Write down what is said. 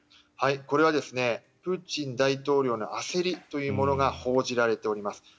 これはプーチン大統領の焦りというものが報じられております。